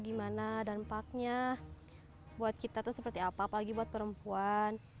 gimana dampaknya buat kita tuh seperti apa apalagi buat perempuan